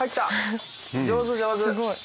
上手上手。